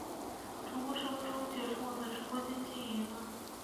主播什么时候解除我的直播间禁言啊